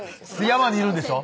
山にいるんでしょ？